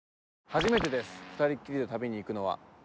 初めてです２人っきりで旅に行くのは。